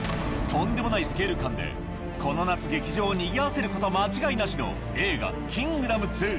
とんでもないスケール感でこの夏劇場をにぎわせること間違いなしの映画